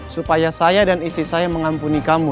supaya saya dan istri saya mengampuni kamu